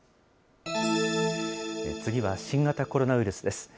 次は新型コロナウイルスです。